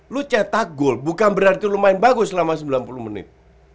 lo cetak gol bukan berarti lo main bagus selama sembilan puluh menit